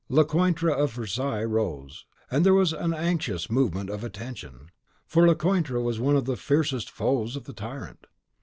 Lecointre of Versailles rose, and there was an anxious movement of attention; for Lecointre was one of the fiercest foes of the tyrant.